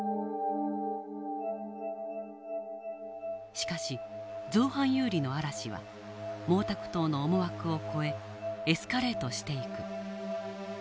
しかし造反有理の嵐は毛沢東の思惑を超えエスカレートしていく。